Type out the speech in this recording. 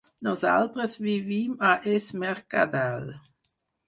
Nosaltres vivim a Es Mercadal.